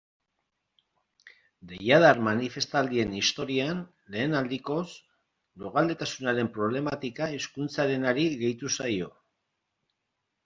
Deiadar manifestaldien historian lehen aldikoz, lurraldetasunaren problematika hizkuntzarenari gehitu zaio.